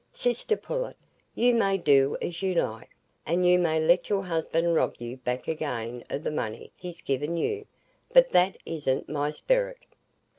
Sister Pullet, you may do as you like, and you may let your husband rob you back again o' the money he's given you, but that isn't my sperrit."